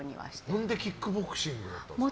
何でキックボクシングなんですか？